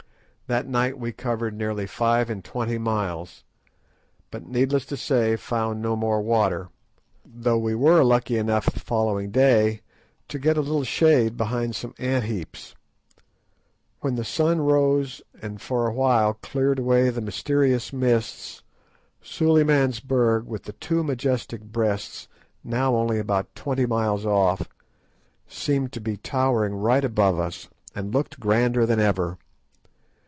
That night we covered nearly five and twenty miles; but, needless to say, found no more water, though we were lucky enough the following day to get a little shade behind some ant heaps. When the sun rose, and, for awhile, cleared away the mysterious mists, Suliman's Berg with the two majestic Breasts, now only about twenty miles off, seemed to be towering right above us, and looked grander than ever.